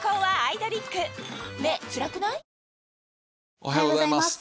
おはようございます。